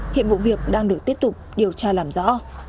hiện vụ việc đang được tiếp tục điều tra làm rõ